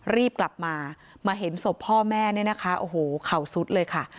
รีบกลับมามาเห็นศพพ่อแม่เนี่ยนะคะโอ้โหเข่าสุดเลยค่ะ